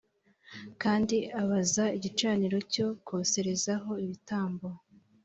Kandi abaza igicaniro cyo koserezaho ibitambo